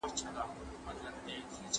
کله چې عامه خوندیتوب وي، پېښې به زیاتې نه شي.